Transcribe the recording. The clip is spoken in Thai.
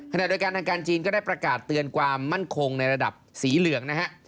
ขณะเดียวกันทางการจีนก็ได้ประกาศเตือนความมั่นคงในระดับสีเหลืองนะฮะ